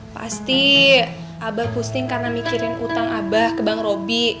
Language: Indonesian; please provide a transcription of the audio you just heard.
pasti abah posting karena mikirin utang abah ke bank roby